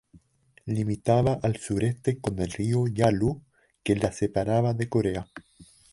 Limitaba al sureste con el río Yalu, que la separaba de Corea.